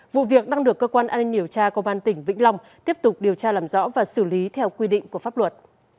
vụ việc đang được cơ quan an ninh điều tra công an tỉnh vĩnh long tiếp tục điều tra làm rõ và xử lý theo quy định của pháp luật